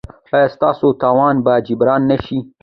ایا ستاسو تاوان به جبران نه شي؟